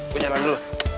gue nyaman dulu